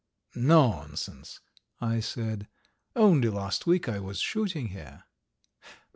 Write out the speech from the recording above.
"Nonsense!" I said. "Only last week I was shooting here!"